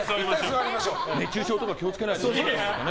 熱中症とか気を付けないとね。